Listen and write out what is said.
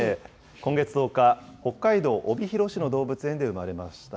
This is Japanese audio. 今月１０日、北海道帯広市の動物園で生まれました。